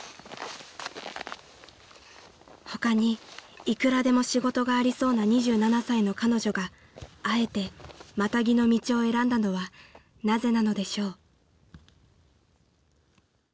［他にいくらでも仕事がありそうな２７歳の彼女があえてマタギの道を選んだのはなぜなのでしょう？］